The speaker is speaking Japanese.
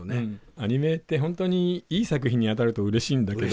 アニメってホントにいい作品に当たるとうれしいんだけど